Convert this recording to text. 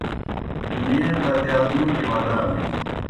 دُنیے بَدِیادمو گیْ ودانِن۔